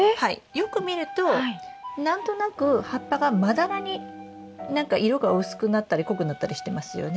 よく見るとなんとなく葉っぱがまだらに何か色が薄くなったり濃くなったりしてますよね？